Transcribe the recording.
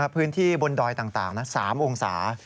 พื้นที่บนดอยต่าง๓องศา